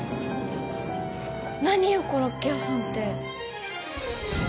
何よコロッケ屋さんって。